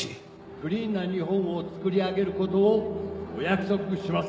クリーンな日本をつくり上げることをお約束します